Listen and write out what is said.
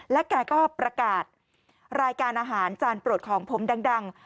แกก็ประกาศรายการอาหารจานโปรดของผมดัง